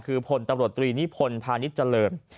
คือพลตำรวจตรีนิพนธ์พาณิชยเจริญ